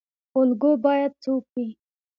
الګو باید څوک وي؟